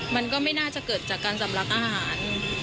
มันก็ไม่น่าจะเกิดจากการสำลักอาหาร